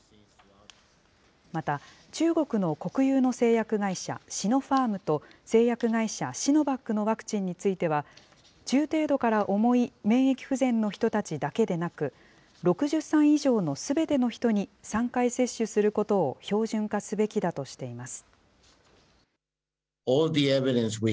また、中国の国有の製薬会社、シノファームと、製薬会社、シノバックのワクチンについては、中程度から重い免疫不全の人たちだけでなく、６０歳以上のすべての人に３回接種することを標準化すべきだとしています。